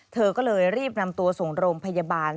เธอก็เลยรีบนำตัวส่งโรงพยาบาล